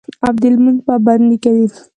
او د لمونځ پابندي کوي